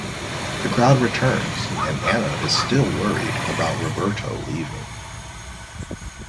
The crowd returns and Anna is still worried about Roberto leaving.